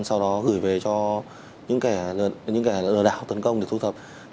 sau đó gửi về cho những kẻ lừa đảo tấn công để thu thập